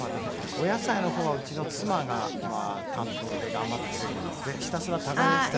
お野菜の方はうちの妻がまあ担当で頑張ってくれるんでひたすら耕したり。